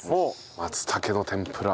松茸の天ぷら。